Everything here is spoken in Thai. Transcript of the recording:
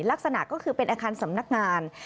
ลักษณะก็คือเป็นอาคารสำนักงาน